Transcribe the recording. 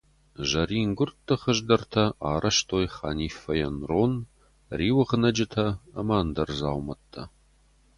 Зӕрингуырдты хуыздӕртӕ арӕзтой Ханиффӕйӕн рон, риуӕгънӕджытӕ ӕмӕ ӕндӕр дзаумӕттӕ.